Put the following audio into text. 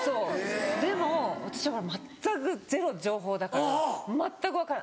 でも私は全くゼロ情報だから全く分からない。